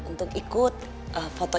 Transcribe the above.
untuk ikut foto